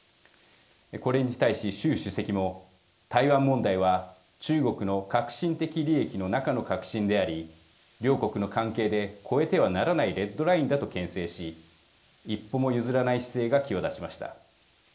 これに対し、習主席も台湾問題は中国の核心的利益の中の核心であり両国の関係で越えてはならないレッドラインだとけん制し一歩も譲らない姿勢が際立ちました。